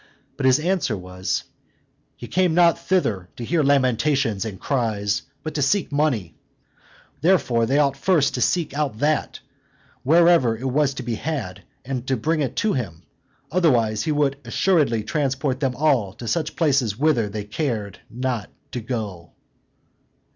But his answer was, "He came not thither to hear lamentations and cries, but to seek money: therefore they ought first to seek out that, wherever it was to be had, and bring it to him; otherwise he would assuredly transport them all to such places whither they cared not to go."